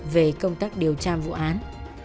về công tác điều tra vụ án